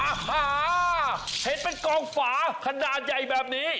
หาเห็นเป็นกองฝาขนาดใหญ่แบบนี้